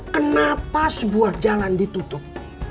kenapa sebuah jalan ditutup